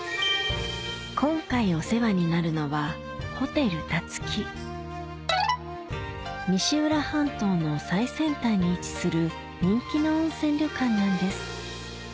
今回お世話になるのは西浦半島の最先端に位置する人気の温泉旅館なんです